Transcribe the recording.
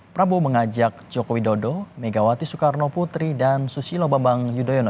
prabowo mengajak joko widodo megawati soekarno putri dan susilo bambang yudhoyono